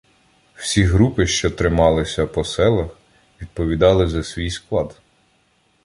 Всі групи, що трималися по селах, відповідали за свій склад.